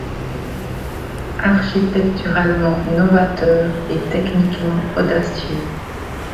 Architecturalement novateur et techniquement audacieux.